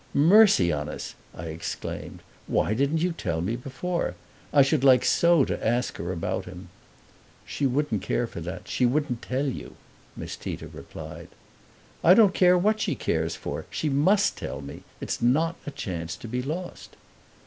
"Mercy on us!" I exclaimed; "why didn't you tell me before? I should like so to ask her about him." "She wouldn't care for that she wouldn't tell you," Miss Tita replied. "I don't care what she cares for! She MUST tell me it's not a chance to be lost."